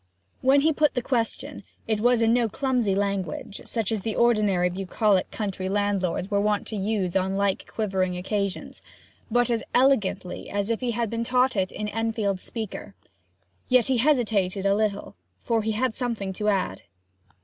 When he put the question, it was in no clumsy language, such as the ordinary bucolic county landlords were wont to use on like quivering occasions, but as elegantly as if he had been taught it in Enfield's Speaker. Yet he hesitated a little for he had something to add.